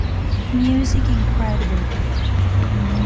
Music incredible.